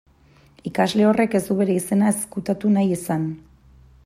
Ikasle horrek ez du bere izena ezkutatu nahi izan.